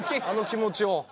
あの気持ちを。